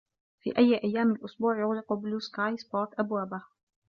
في أي أيام الاسبوع يغلق بلو سكاي سبورت أبوابه؟